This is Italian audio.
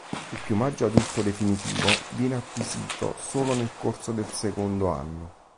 Il piumaggio adulto definitivo viene acquisito solo nel corso del secondo anno.